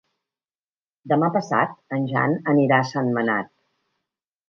Demà passat en Jan anirà a Sentmenat.